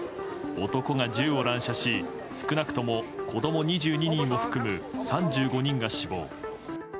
男が銃を乱射し少なくとも子供２２人を含む３５人が死亡。